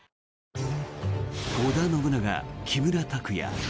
織田信長、木村拓哉。